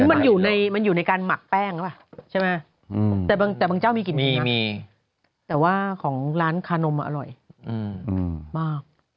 ไม่รู้มันอยู่ในการหมักแป้งใช่ไหมแต่บางเจ้ามีกลิ่นมีแต่ว่าของร้านคาโนมอร่อยมาก